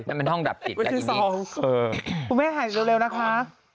คุณแม่หายเร็วเร็วนะคะ